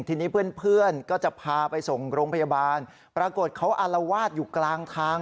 ทีนี้เพื่อนเพื่อนก็จะพาไปส่งโรงพยาบาลปรากฏเขาอารวาสอยู่กลางทาง